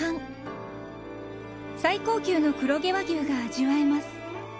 ［最高級の黒毛和牛が味わえます］